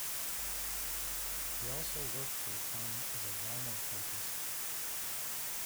He also worked for a time as a linotypist.